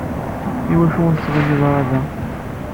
Iwacu ur tettɣimiḍ ara da?